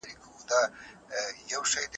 ایا ستا لارښود استاد پر موضوع پوره حاکمیت لري؟